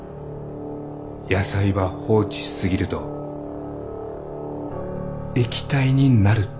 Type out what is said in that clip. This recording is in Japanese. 野菜ば放置し過ぎると液体になるって。